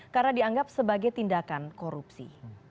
karena dianggap sebagai tindakan korupsi